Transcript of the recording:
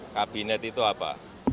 kabinet itu apa